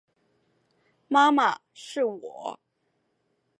妈妈，是我